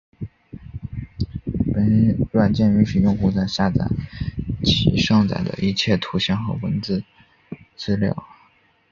本软件允许用户在下载其上载的一切图像和文字资料。